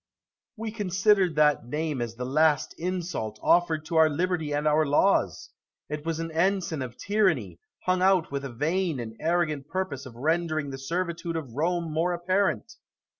Brutus. We considered that name as the last insult offered to our liberty and our laws; it was an ensign of tyranny, hung out with a vain and arrogant purpose of rendering the servitude of Rome more apparent.